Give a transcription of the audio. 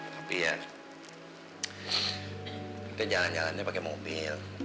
tapi ya mungkin jalan jalannya pakai mobil